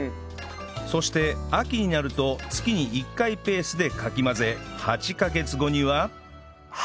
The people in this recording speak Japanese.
そして秋になると月に１回ペースでかき混ぜ８カ月後には